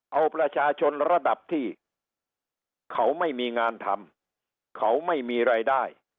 เอาประชาชนระดับที่เขาไม่มีงานทำเขาไม่มีรายได้